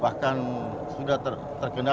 bahkan sudah terkenal di mancina